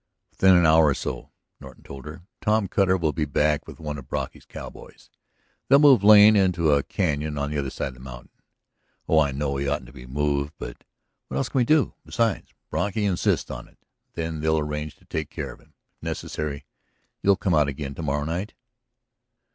"Within another hour or so," Norton told her, "Tom Cutter will be back with one of Brocky's cowboys. They'll move Lane into a cañon on the other side of the mountain. Oh, I know he oughtn't to be moved, but what else can we do? Besides, Brocky insists on it. Then they'll arrange to take care of him; if necessary you'll come out again to morrow night?"